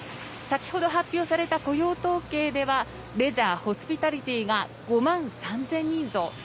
先ほど発表された雇用統計ではレジャー・ホスピタリティーが５万３０００人増。